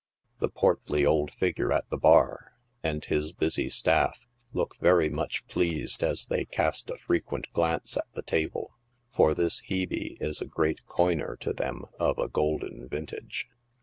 The portly old figure at the bar, and his busy staff, look very much pleased as they cast a frequent glance at the table, for this Hebe is a great coiner to them of a golden vintage.